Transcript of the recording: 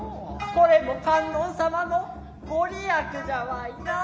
これも観音様の御利益じゃわいなァ。